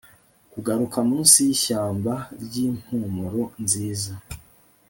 kuguruka munsi yishyamba ryimpumuro nziza